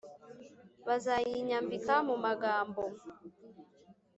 bazayinyambika mu magambo